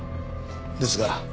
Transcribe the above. ですが。